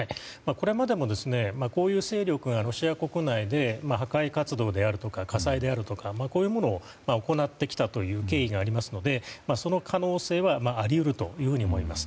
これまでもこういう勢力がロシア国内で破壊活動であるとか火災であるとかこういうものを行ってきたという経緯がありますのでその可能性はあり得ると思います。